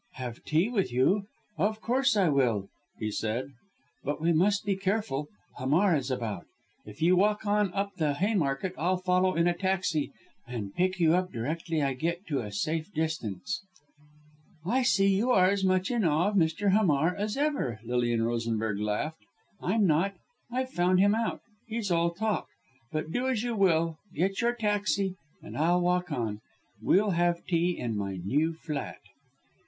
"Have tea with you? Of course I will," he said. "But we must be careful. Hamar is about. If you walk on up the Haymarket, I'll follow in a taxi, and pick you up, directly I get to a safe distance." "I see you are as much in awe of Mr. Hamar as ever," Lilian Rosenberg laughed. "I'm not! I've found him out he's all talk. But do as you will get your taxi and I'll walk on we'll have tea in my new flat."